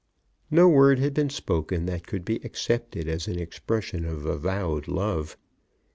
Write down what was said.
No word had been spoken that could be accepted as an expression of avowed love.